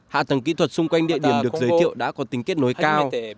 hạ tầng kỹ thuật xung quanh địa điểm được giới thiệu đã có tính kết nối cao